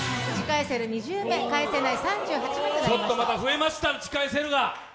ちょっとまた増えました、打ち返せるが。